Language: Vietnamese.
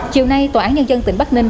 chiều nay tòa án nhân dân tỉnh bắc ninh